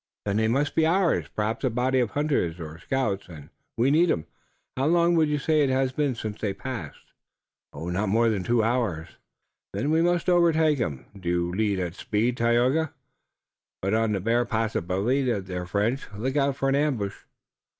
"Then they must be ours, perhaps a body of hunters or scouts, and we need 'em. How long would you say it has been since they passed?" "Not more than two hours." "Then we must overtake 'em. Do you lead at speed, Tayoga, but on the bare possibility that they're French, look out for an ambush."